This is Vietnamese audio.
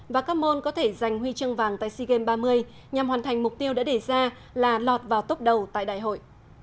và các môn có thể giành huy chương vàng tại sea games ba mươi nhằm hoàn thành mục tiêu đã để ra là lọt vào tốc đầu tại đại hội